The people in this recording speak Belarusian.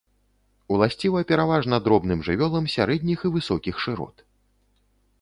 Уласціва пераважна дробным жывёлам сярэдніх і высокіх шырот.